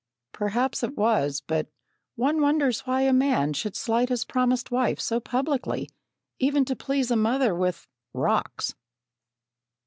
Perhaps it was, but one wonders why a man should slight his promised wife so publicly, even to please a mother with "rocks!"